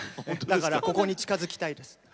だからここに近づきたいです。